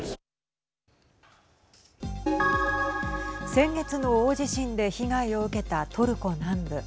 先月の大地震で被害を受けたトルコ南部。